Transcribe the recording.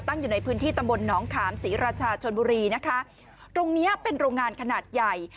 อยู่ในพื้นที่ตำบลหนองขามศรีราชาชนบุรีนะคะตรงเนี้ยเป็นโรงงานขนาดใหญ่